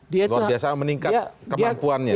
luar biasa meningkat kemampuannya